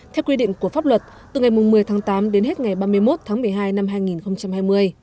theo quy định của pháp luật từ ngày một mươi tháng tám đến hết ngày ba mươi một tháng một mươi hai năm hai nghìn hai mươi